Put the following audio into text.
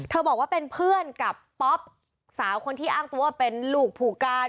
บอกว่าเป็นเพื่อนกับป๊อปสาวคนที่อ้างตัวเป็นลูกผู้การ